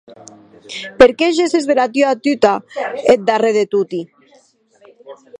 Per qué gesses dera tuta eth darrèr de toti?